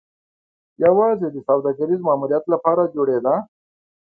یوازې د سوداګریز ماموریت لپاره جوړېده.